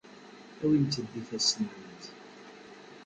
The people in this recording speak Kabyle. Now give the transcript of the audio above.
Awimt-d ifassen-nwent.